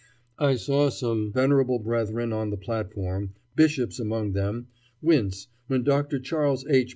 I saw some venerable brethren on the platform, bishops among them, wince when Dr. Charles H.